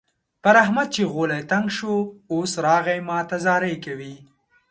پر احمد چې غولی تنګ شو؛ اوس راغی ما ته زارۍ کوي.